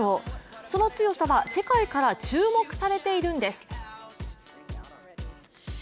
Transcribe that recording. その強さは世界から注目されているんです。